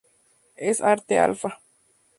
Es Arte-Alfa.